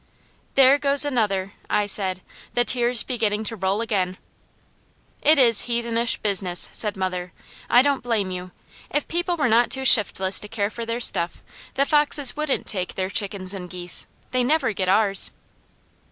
"There goes another!" I said, the tears beginning to roll again. "It is heathenish business," said mother. "I don't blame you! If people were not too shiftless to care for their stuff, the foxes wouldn't take their chickens and geese. They never get ours!"